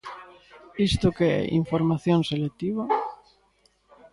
¿Isto que é: información selectiva?